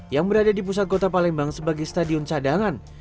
yang berada di pusat kota palembang sebagai stadion cadangan